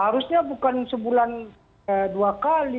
harusnya bukan sebulan dua kali